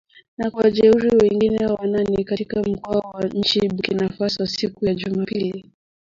Na kuwajeruhi wengine wanane katika mkoa wa nchini Burkina Faso siku ya Jumapili.